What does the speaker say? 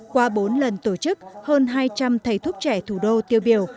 qua bốn lần tổ chức hơn hai trăm linh thầy thuốc trẻ thủ đô tiêu biểu